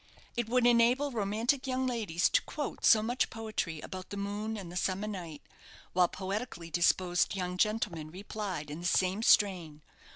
It would enable romantic young ladies to quote so much poetry about the moon and the summer night, while poetically disposed young gentlemen replied in the same strain.